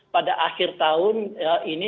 pada akhir tahun ini